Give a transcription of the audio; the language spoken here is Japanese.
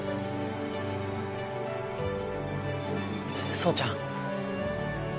蒼ちゃん。